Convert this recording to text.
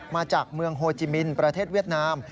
มาจากเมืองโฮจิมินประเทศเวียดนาม